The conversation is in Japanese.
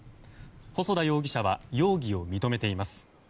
細田容疑者は容疑を認めています。